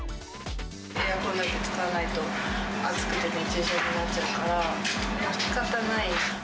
エアコン使わないと、暑くて熱中症になっちゃうから、しかたない。